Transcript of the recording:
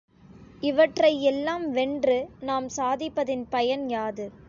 இவற்றை எல்லாம் வென்று நாம் சாதிப்பதன் பயன் யாது?